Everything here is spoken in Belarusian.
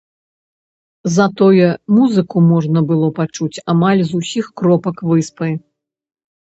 Затое музыку можна было пачуць амаль з усіх кропак выспы.